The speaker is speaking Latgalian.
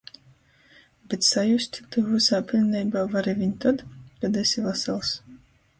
Bet sajust tū vysā piļneibā vari viņ tod, kod esi vasals...